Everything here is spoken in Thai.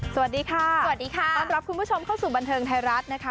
สวัสดีค่ะสวัสดีค่ะต้อนรับคุณผู้ชมเข้าสู่บันเทิงไทยรัฐนะคะ